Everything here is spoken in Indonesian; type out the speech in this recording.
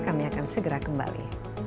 kami akan segera kembali